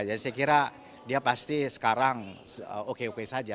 jadi saya kira dia pasti sekarang oke oke saja